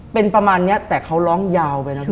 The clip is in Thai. เป็นประมาณเนี้ยแต่เค้าร้องยาวไปนับนี้